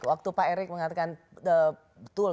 waktu pak erick mengatakan betul